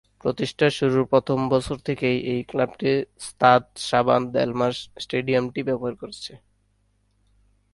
প্রতিষ্ঠার শুরুর প্রথম বছর থেকেই এই ক্লাবটি স্তাদ শাবান-দেলমাস স্টেডিয়ামটি ব্যবহার করেছে।